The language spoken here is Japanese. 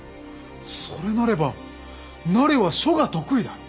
それなれば汝は書が得意だ。